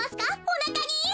おなかに！